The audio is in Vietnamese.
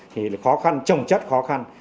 thì là khó khăn trồng chất khó khăn